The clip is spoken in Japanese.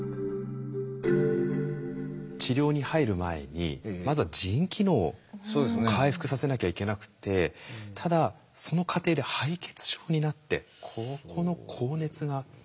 治療に入る前にまずは腎機能を回復させなきゃいけなくってただその過程で敗血症になってここの高熱が随分続いたんですね。